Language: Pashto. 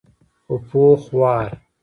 خو پوخ وار.